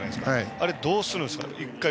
あれ、どうするんですか。